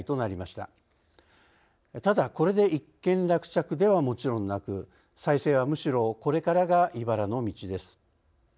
ただ、これで一件落着ではもちろんなく再生はむしろこれからがいばらの道です。